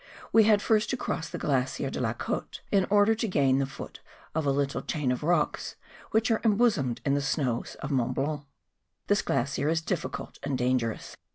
We had first to cross the glacier de la Cote in order to gain the foot of a little chain of rocks which are embosomed in the snows of Mont Blanc. This glacier is difficult and dangerous.